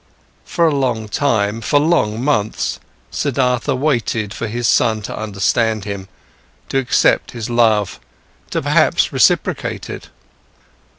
For a long time, for long months, Siddhartha waited for his son to understand him, to accept his love, to perhaps reciprocate it.